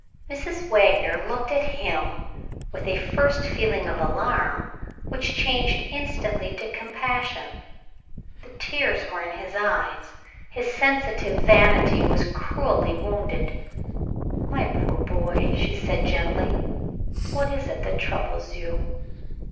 Mrs. Wagner looked at him with a first feeling of alarm, which changed instantly to compassion. The tears were in his eyes; his sensitive vanity was cruelly wounded. "My poor boy," she said gently, "what is it that troubles you?"